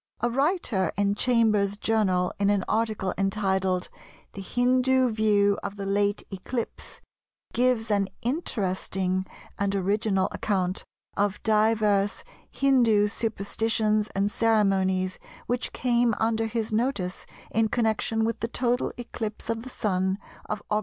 A writer in Chambers's Journal in an article entitled "The Hindu view of the late Eclipse," gives an interesting and original account of divers Hindu superstitions and ceremonies which came under his notice in connection with the total eclipse of the Sun of Aug.